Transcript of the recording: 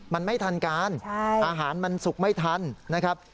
มันไม่ทันการอาหารมันสุกไม่ทันนะครับ